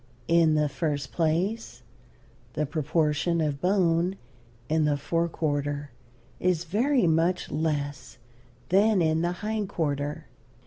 In the first place the proportion of bone in the fore quarter is very much less than in the hind quarter.